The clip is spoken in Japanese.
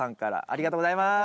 ありがとうございます。